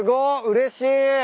うれしい。